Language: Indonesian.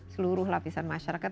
seluruh lapisan masyarakat